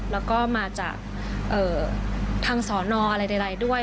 แล้วก็มาจากทางศนอะไรด้วย